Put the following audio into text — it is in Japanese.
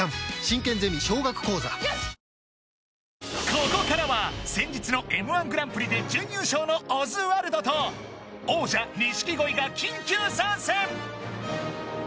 ここからは先日のＭ−１グランプリで準優勝のオズワルドと王者・錦鯉が緊急参戦！